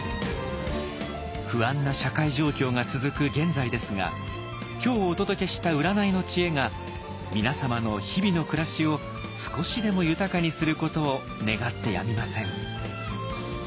不安な社会状況が続く現在ですが今日お届けした占いの知恵が皆様の日々の暮らしを少しでも豊かにすることを願ってやみません。